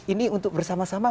ini untuk bersama sama